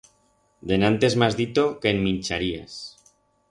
Denantes m'has dito que en mincharías.